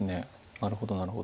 なるほどなるほど。